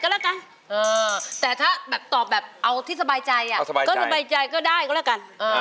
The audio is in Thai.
แล้ววิวจะหาวิวเลย